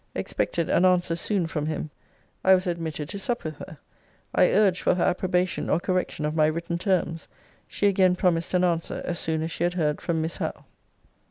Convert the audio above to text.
expected an answer soon from him. I was admitted to sup with her. I urged for her approbation or correction of my written terms. She again promised an answer as soon as she had heard from Miss Howe.